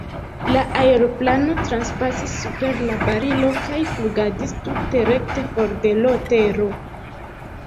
La aeroplano transpasis super la barilo kaj flugadis tute rekte for de l' tero.